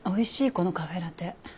このカフェラテ。